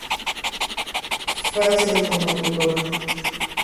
Fisher como tutor.